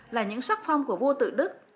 là những sắc phong của vua tự đức